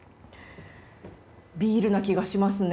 ビールな気がしますね。